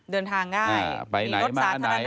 เดินทางง่ายมีรถสาธารณะ